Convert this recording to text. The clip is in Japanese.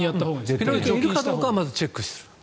ピロリ菌がいるかどうかまずチェックする。